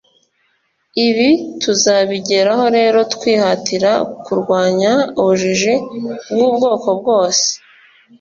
Ibi tuzabigeraho rero twihatira kurwanya ubujiji bw‘ubwoko bwose